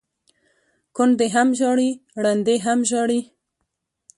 ـ کونډې هم ژاړي ړنډې هم ژاړي،